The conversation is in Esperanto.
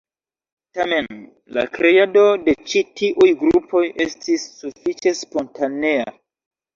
Tamen, la kreado de ĉi tiuj grupoj estis sufiĉe spontanea.